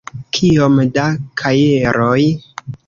Kiom da kajeroj?